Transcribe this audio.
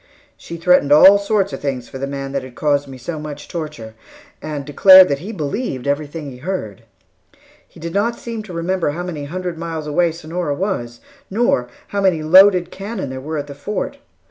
She threatened all sorts of things for the man who had caused me such torture, and declared that he believed everything he heard. He did not seem to remember how many hundred miles away Sonora was, nor how many loaded cannon there were at the Fort.